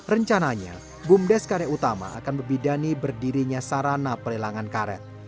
rencananya bumdes karya utama akan membidani berdirinya sarana perlelangan karet